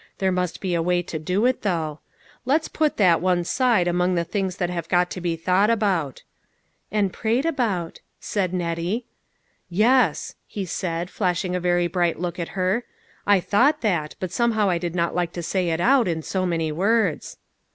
There must be a way to do it, though. Let's put that one side among the things that have got to be thought about." " And prayed about," said Nettie. " Yes," he said, flashing a very bright look at her, "I thought that, but somehow I did not like to say it out, in so many words."